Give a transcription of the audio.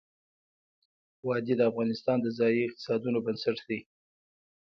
وادي د افغانستان د ځایي اقتصادونو بنسټ دی.